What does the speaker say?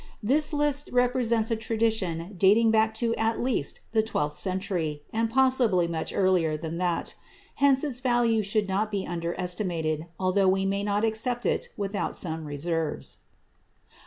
This list represents a tradition dating back to at least the twelfth century and possibly much earlier than that; hence its value should not be underestimated, although we may not accept it without some reserves.